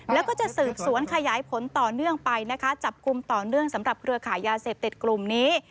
แล้วก็จะสืบสวนขยายผลต่อเนื่องไปนะคะจับกลุ่มต่อเนื่องสำหรับเครือขายยาเสพติดกลุ่มนี้